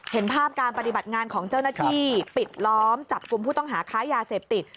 เห็นภาพการปฏิบัติงานของเจ้าหน้าที่ปิดล้อมจับกลุ่มผู้ต้องหาค้ายาเสพติด